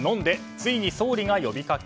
ついに総理が呼びかけ。